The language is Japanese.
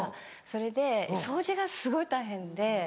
それで掃除がすごい大変で。